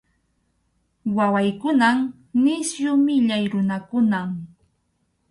Wawaykunan nisyu millay runakunam.